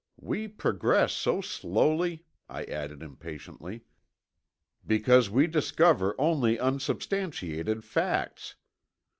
We progress so slowly," I added, impatiently, "because we discover only unsubstantiated facts.